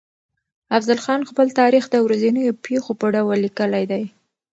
افضل خان خپل تاريخ د ورځنيو پېښو په ډول ليکلی دی.